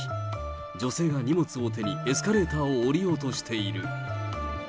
女性が荷物を手に、エスカレーターを下りようとしている。